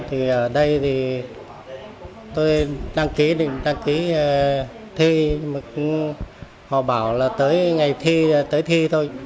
thì ở đây thì tôi đăng ký thi họ bảo là tới ngày thi tới thi thôi